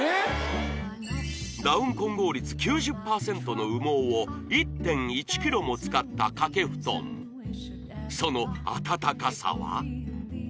ダウン混合率９０％の羽毛を１．１ｋｇも使った掛布団そのあたたかさは？